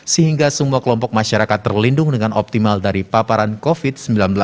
sehingga semua kelompok masyarakat terlindung dengan optimal dari paparan covid sembilan belas